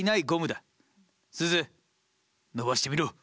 すず伸ばしてみろ。